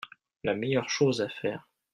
La meilleure chose à faire...